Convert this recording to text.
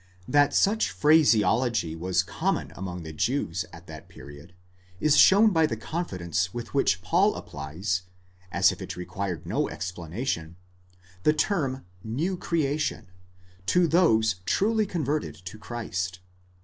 7 That such phraseology was common among the Jews at that period, is shown by the confidence with which Paul applies, as if it required no explanation, the term mew creation, καινὴ κτίσις, to those truly converted to Christ.